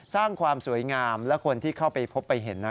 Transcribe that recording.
สร้างความสวยงามและคนที่เข้าไปพบไปเห็นนะ